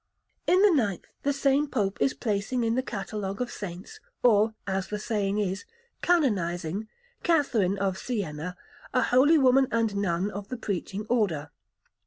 In the ninth the same Pope is placing in the catalogue of saints or, as the saying is, canonizing Catherine of Siena, a holy woman and nun of the Preaching Order.